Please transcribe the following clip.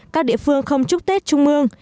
các địa phương không chúc tết trung mương